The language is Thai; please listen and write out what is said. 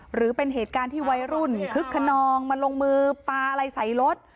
หรือเป็นเหตุการณ์ที่วัยรุ่นคึกขนองมาลงมือปลาอะไรใส่รถ